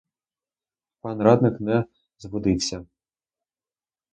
Пан радник не збудився.